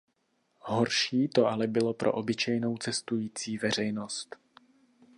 Horší to ale bylo pro obyčejnou cestující veřejnost.